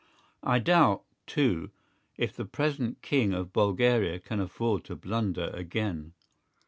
I doubt, too, if the present King of Bulgaria can afford to blunder again.